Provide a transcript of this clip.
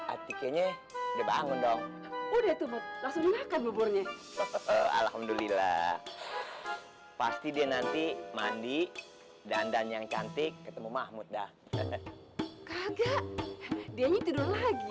atiknya udah bangun dong udah tuh bu langsung makan buburnya alhamdulillah pasti dia nanti mandi dandan yang cantik ketemu mahmud dah kagak dia tidur lagi